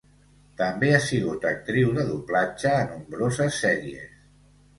També ha sigut actriu de doblatge a nombroses sèries.